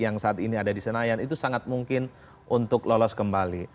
yang saat ini ada di senayan itu sangat mungkin untuk lolos kembali